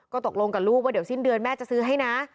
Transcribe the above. ตกลงกับลูกว่าเดี๋ยวสิ้นเดือนแม่จะซื้อให้นะ